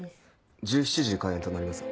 １７時開演となります。